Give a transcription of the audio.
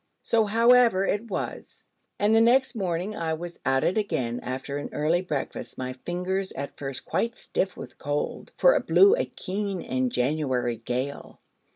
So, however, it was: and the next morning I was at it again after an early breakfast, my fingers at first quite stiff with cold, for it blew a keen and January gale.